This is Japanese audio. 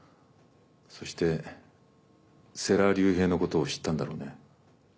そして世良隆平のことを知ったんだろうね。